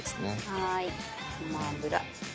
はいごま油。